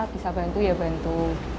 bisa bantu ya bantu